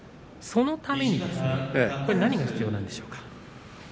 そのために何が必要でしょうか？